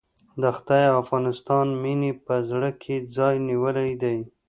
د خدای او افغانستان مينې په زړه کې ځای نيولی دی.